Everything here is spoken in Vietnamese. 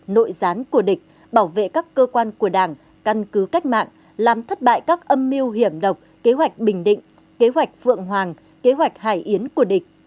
nội gián của địch bảo vệ các cơ quan của đảng căn cứ cách mạng làm thất bại các âm mưu hiểm độc kế hoạch bình định kế hoạch phượng hoàng kế hoạch hải yến của địch